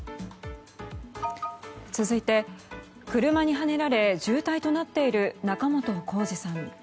続いて、車にはねられ重体となっている仲本工事さん。